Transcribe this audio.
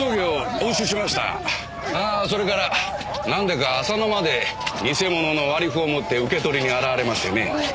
ああそれからなんでか浅野まで偽物の割り符を持って受け取りに現れましてね。